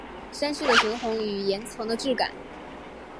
山势的雄浑与岩层的质感